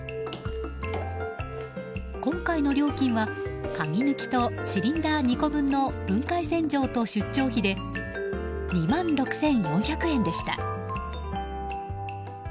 今回の料金は、鍵抜きとシリンダー２個分の分解洗浄と出張費で２万６４００円でした。